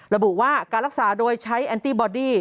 ระบุว่าการรักษาโดยใช้แอนตี้บอดี้